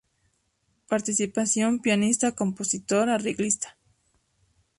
Participación: Pianista, compositor, arreglista.